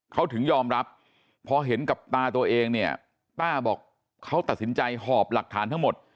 เขาถึงยอมรับพอเห็นกับตาตัวเองเนี่ยต้าบอกเขาตัดสินใจหอบหลักฐานทั้งหมด